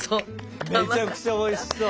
めちゃくちゃおいしそう。